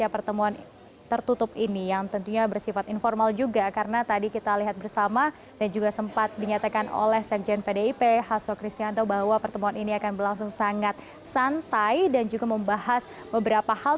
pertemuan tertutup ini yang tentunya bersifat informal juga karena tadi kita lihat bersama dan juga sempat dinyatakan oleh sekjen pdip hasto kristianto bahwa pertemuan ini akan berlangsung sangat santai dan juga membahas beberapa hal